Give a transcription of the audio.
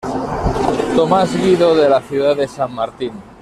Tomás Guido" de la ciudad de San Martín.